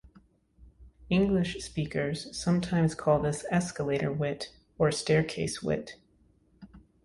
English speakers sometimes call this "escalator wit", or "staircase wit".